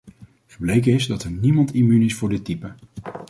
Gebleken is dat er niemand immuun is voor dit type.